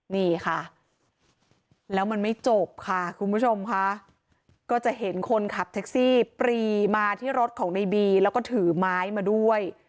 นี่ค่ะแล้วมันไม่จบค่ะคุณผู้ชมค่ะก็จะเห็นคนขับแท็กซี่ปรีมาที่รถของในบีแล้วก็ถือไม้มาด้วย